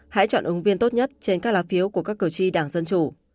hãy chọn ứng viên tốt nhất trên các lá phiếu của các cử tri đảng dân chủ